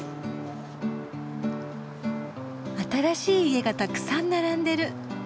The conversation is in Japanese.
新しい家がたくさん並んでる。